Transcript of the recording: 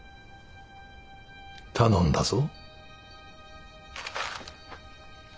頼んだぞ。